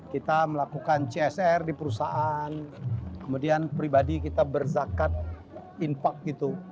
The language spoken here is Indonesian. kita melakukan csr di perusahaan kemudian pribadi kita berzakat